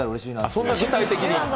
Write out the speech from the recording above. そんな具体的に。